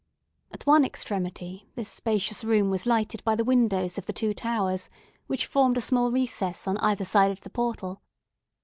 At one extremity, this spacious room was lighted by the windows of the two towers, which formed a small recess on either side of the portal.